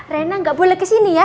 reina enggak boleh kesini ya